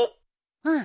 うん。